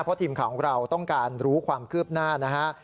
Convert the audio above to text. เพราะทีมข่าวของเราต้องการรู้ความคืบหน้านะฮะ